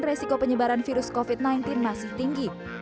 resiko penyebaran virus covid sembilan belas masih tinggi